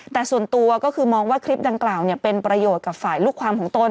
แต่ส่วนตัวก็คือมองว่าคลิปดังกล่าวเป็นประโยชน์กับฝ่ายลูกความของตน